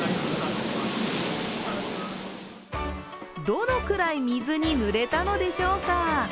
どのくらい水にぬれたのでしょうか。